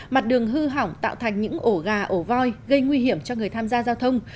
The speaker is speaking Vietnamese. mặt đường hư hỏng tạo thành những ổ gà ổ voi gây nguy hiểm cho người tham gia giao thông